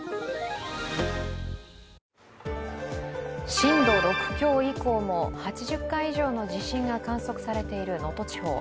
震度６強以降も、８０回以上の地震が観測されている能登地方。